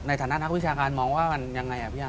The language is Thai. ในฐานะนักวิชาการมองว่ามันยังไงอ่ะพี่อา